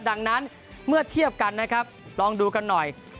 ดังนั้นเมื่อเทียบกันนะครับลองดูกันหน่อย